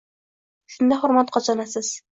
Shunda hurmat qozonasiz.